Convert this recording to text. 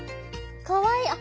かわいい。